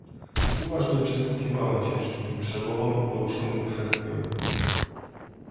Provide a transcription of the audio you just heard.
Uważnie przysłuchiwałam się wszystkim przemowom i poruszonym kwestiom